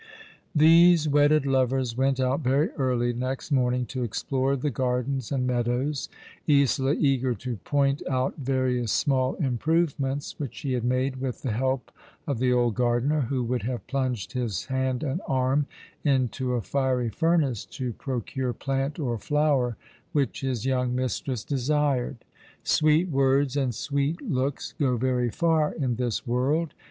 These wedded lovers went out very early next morning to explore the gardens and meadows ; Isola eager to point out various small improvements which she had made with the help of the old gardener, who would have plunged his hand and arm into a fiery furnace to procure plant or flower which his young mistress desired. Sweet words and sweet looks go very far in this world.